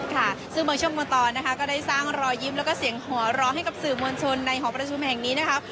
ค่ะซึ่งบางช่วงบางตอนนะคะก็ได้สร้างรอยยิ้มแล้วก็เสียงหัวเราะให้กับสื่อมวลชนในหอประชุมแห่งนี้นะคะ